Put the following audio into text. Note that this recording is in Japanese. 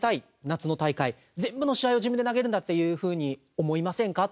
夏の大会」「全部の試合を自分で投げるんだ」っていうふうに思いませんか？